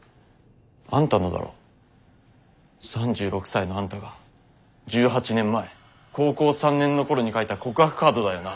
３６歳のあんたが１８年前高校３年の頃に書いた告白カードだよな？